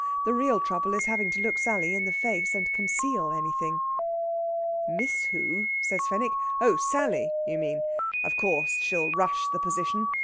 The real trouble is having to look Sally in the face and conceal anything. "Miss who?" says Fenwick. "Oh Sally, you mean! Of course she'll rush the position.